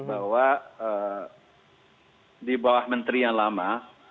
bahwa di bawah menteri yang lama